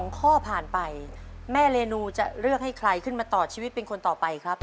๒ข้อผ่านไปแม่เรนูจะเลือกให้ใครขึ้นมาต่อชีวิตเป็นคนต่อไปครับ